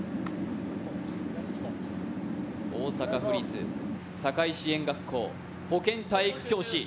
大阪府立堺支援学校、保健体育教師。